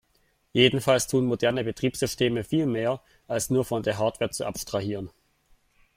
Jedenfalls tun moderne Betriebssysteme viel mehr, als nur von der Hardware zu abstrahieren.